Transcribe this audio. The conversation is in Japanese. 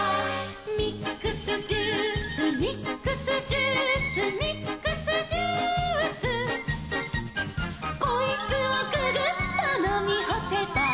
「ミックスジュースミックスジュース」「ミックスジュース」「こいつをググッとのみほせば」